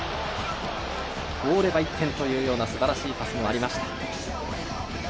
通れば１点というようなすばらしいパスもありました。